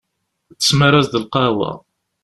Tesmar-as-d lqahwa.